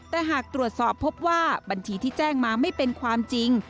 แต่หากตรวจสอบพบว่าบัญชีที่แจ้งมาไม่เป็นความจริง